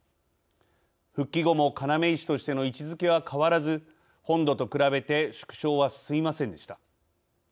復帰後も要石としての位置づけは変わらず本土と比べて縮小は進みませんでした。